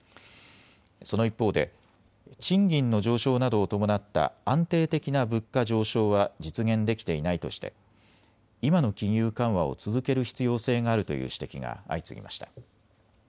その一方で賃金の上昇などを伴った安定的な物価上昇は実現できていないとして今の金融緩和を続ける必要性があるという指摘が相次ぎました。